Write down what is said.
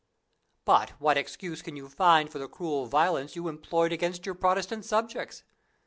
But what excuse can you find for the cruel violence you employed against your Protestant subjects?